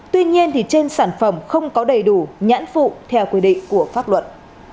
tuy nhiên trên sản phẩm không có đầy đủ nhãn phụ theo quy định của pháp luật